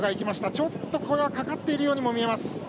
ちょっと、これはかかっているように見えます。